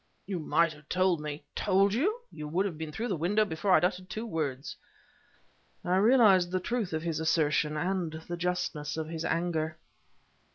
"You might have told me..." "Told you! You would have been through the window before I had uttered two words!" I realized the truth of his assertion, and the justness of his anger.